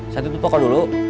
saya tutup pokok dulu